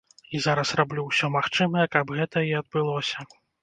І зараз раблю ўсё магчымае, каб гэта і адбылося.